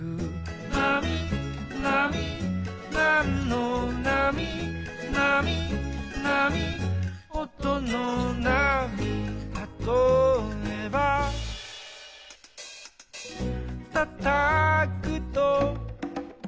「なみなみなんのなみ」「なみなみおとのなみ」「たとえば」「たたくと」